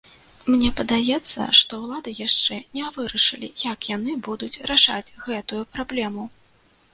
Мне падаецца, што ўлады яшчэ не вырашылі, як яны будуць рашаць гэтую праблему.